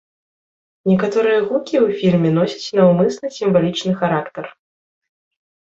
Некаторыя гукі ў фільме носяць наўмысна сімвалічны характар.